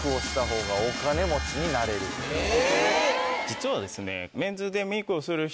実はですね。